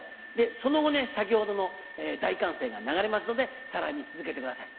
その後先ほどの大歓声が流れますのでさらに続けてください。